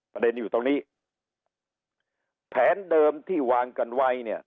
ประเด็นอยู่ตรงนี้แผนเดิมที่วางกันไว้เนี่ย